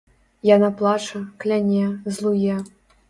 Яна плача, кляне, злуе.